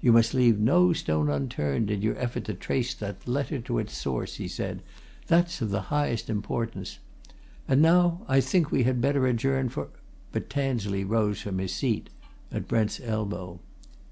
"You must leave no stone unturned in your effort to trace that letter to its source," he said. "That's of the highest importance. And now I think we had better adjourn for " But Tansley rose from his seat at Brent's elbow.